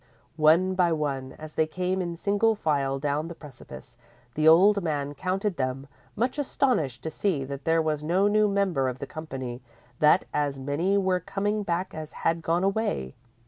_ _One by one, as they came in single file down the precipice, the old man counted them, much astonished to see that there was no new member of the company that as many were coming back as had gone away.